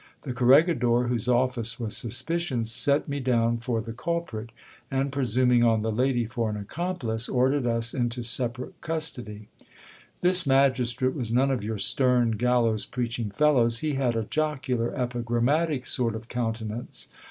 The corregidor, whose office was suspicion, set me down for the culprit ; and, presuming on the lady for an accomplice, 26 GIL BLAS. ordered us into separate custody. This magistrate was none of your stern gal lows preaching fellows, he had a jocular epigrammatic sort of countenance.